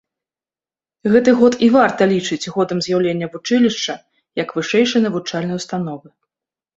Гэты год і варта лічыць годам з'яўлення вучылішча як вышэйшай навучальнай установы.